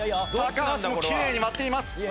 橋もきれいに割っています。